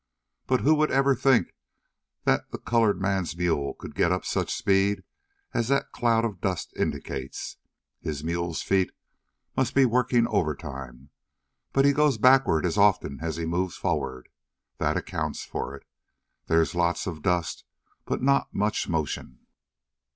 "But who would ever think that the colored man's mule could get up such speed as that cloud of dust indicates. His mule's feet must be working overtime, but he goes backward about as often as he moves forward. That accounts for it. There's lots of dust, but not much motion."